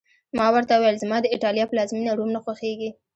ما ورته وویل: زما د ایټالیا پلازمېنه، روم نه خوښېږي.